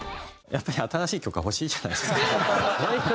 やっぱり新しい曲が欲しいじゃないですか。